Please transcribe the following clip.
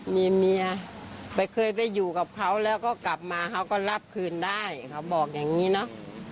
มีเมียไปเคยไปอยู่กับเขาแล้วก็กลับมาเขาก็รับคืนได้เขาบอกอย่างนี้เนอะ